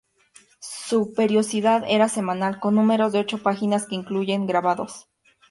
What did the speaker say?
Su periodicidad era semanal, con números de ocho páginas que incluían grabados.